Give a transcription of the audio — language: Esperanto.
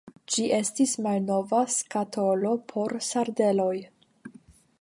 Ĝi estis malnova skatolo por sardeloj.